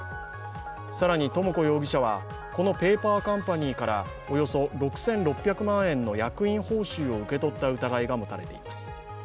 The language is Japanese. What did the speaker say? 更に智子容疑者はこのペーパーカンパニーからおよそ６６００万円の役員報酬を受け取った疑いが持たれています。